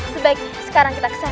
sebaiknya sekarang kita kesana